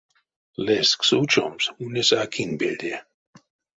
Лезкс учомс ульнесь а кинь пельде.